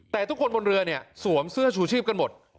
แต่ทุกคนบนเรือเนี่ยสวมเสื้อชูชีพกันหมด